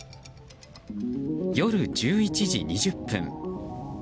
夜１１時２０分。